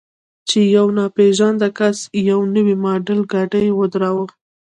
چې یو ناپېژانده کس یو نوی ماډل ګاډی ودراوه.